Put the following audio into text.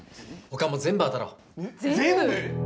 他も全部当たろう全部！？